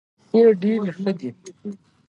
زموږ د ډېرو کيسو مرکزي کرکټرونه نارينه وي